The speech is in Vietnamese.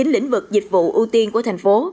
chín lĩnh vực dịch vụ ưu tiên của thành phố